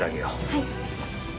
はい。